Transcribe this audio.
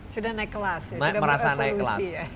sudah naik kelas